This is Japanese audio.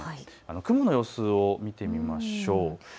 雲の様子を見てみましょう。